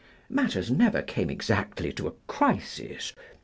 Matters never came exactly to a crisis.